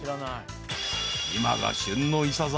［今が旬のいさざ］